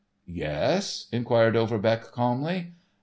"Yes?" inquired Overbeck, calmly.